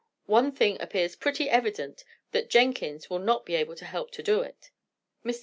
"One thing appears pretty evident, that Jenkins will not be able to help to do it." Mr.